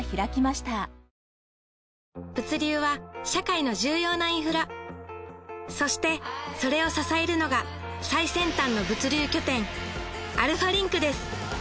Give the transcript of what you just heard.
物流は社会の重要なインフラそしてそれを支えるのが最先端の物流拠点アルファリンクです